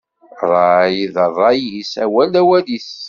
Ṛṛay d ṛṛay-is, awal d awal-is.